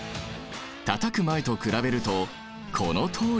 たたく前と比べるとこのとおり！